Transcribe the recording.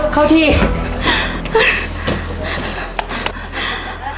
เข้านี่ที่